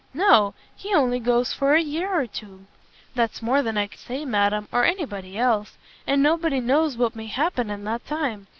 "No, he only goes for a year or two." "That's more than I can say, madam, or any body else; and nobody knows what may happen in that time.